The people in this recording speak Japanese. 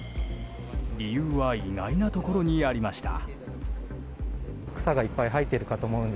理由は意外なところにありました。